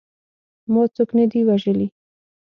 ما څوک نه دي وژلي.